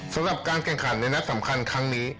สำหรับการแข่งขันในนัดสำคัญครั้งนี้